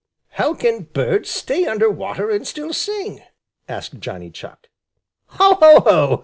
"How can birds stay under water and still sing?" asked Johnny Chuck. "Ho, ho, ho!